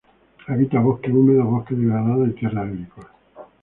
Habita bosque húmedo, bosque degradado y tierras agrícolas.